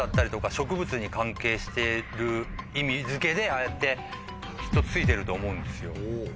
してる意味付けでああやってきっとついてると思うんですよ。